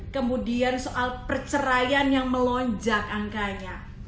kemudian soal perceraian yang melonjak angkanya